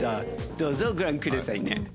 どうぞご覧くださいね。